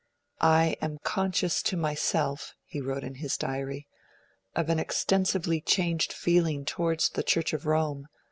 'I am conscious to myself,' he wrote in his Diary, 'of an extensively changed feeling towards the Church of Rome